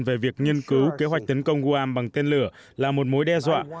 về việc nghiên cứu kế hoạch tấn công guam bằng tên lửa là một mối đe dọa